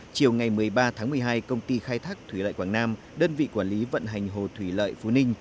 chiều ngày một mươi ba tháng một mươi hai công ty khai thác thủy lợi quảng nam đơn vị quản lý vận hành hồ thủy lợi phú ninh